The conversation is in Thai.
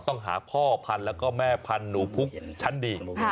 ต้องหาพ่อพันธุ์แล้วก็แม่พันธุ์หนูพุกชั้นดี